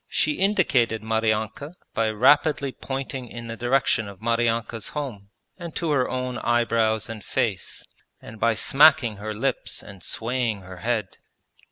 She indicated Maryanka by rapidly pointing in the direction of Maryanka's home and to her own eyebrows and face, and by smacking her lips and swaying her head.